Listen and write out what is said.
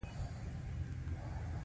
پوره لیکنه د دې لینک له لارې لوستی شئ!